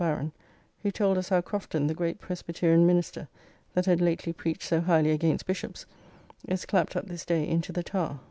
Baron, who told us how Crofton, the great Presbyterian minister that had lately preached so highly against Bishops, is clapped up this day into the Tower.